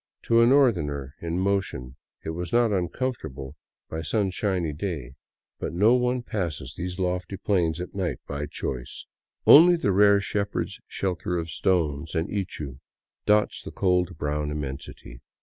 To a northerner in motion, it was not uncomfortable by sunshiny day, but no one passes these lofty plains at night by choice. Only a rare shepherd's shelter of stones and ichu dots the cold brown immensity.